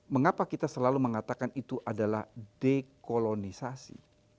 mengapa kita selalu mengatakan itu adalah dekolonisasi